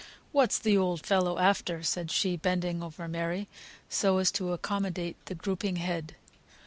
"What's the old fellow after?" said she, bending over Mary, so as to accommodate the drooping head.